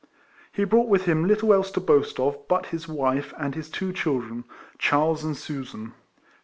He brought with him little else to boast of but his wife and his two children, Charles and Susan.